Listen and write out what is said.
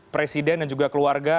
presiden dan juga keluarga